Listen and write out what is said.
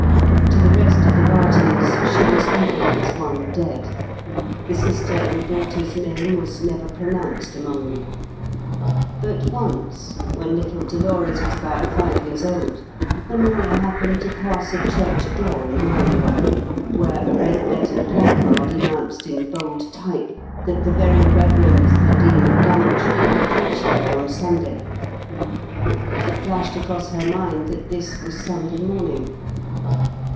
To the rest of the Bartons, she was even as one dead; the sister and daughter's name was never pronounced among them. But once, when little Dolores was about five years old, Herminia happened to pass a church door in Marylebone, where a red lettered placard announced in bold type that the Very Reverend the Dean of Dunwich would preach there on Sunday. It flashed across her mind that this was Sunday morning.